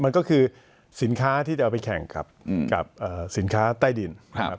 มันก็คือสินค้าที่จะเอาไปแข่งกับสินค้าใต้ดินนะครับ